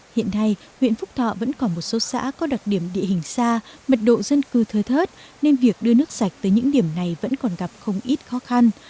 hiện nay huyện phúc thọ vẫn còn một số xã có đặc điểm địa hình xa mật độ dân cư thơ thớt nên việc đưa nước sạch tới những điểm này vẫn còn gặp không ít khó khăn